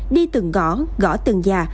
đi từng gõ gõ từng nhà